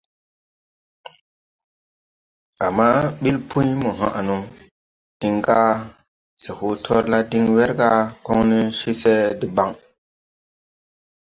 Ama ɓil Pũy mo haʼ no diŋ ga se hoo torla diŋ werga koŋne ce se debaŋ.